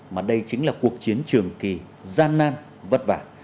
mà đây chính là cuộc chiến trường kỳ gian nan vất vả